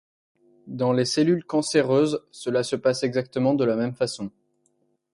Dans les cellules cancéreuses, cela se passe exactement de la même façon.